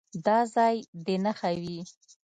دا ځای دې نښه وي.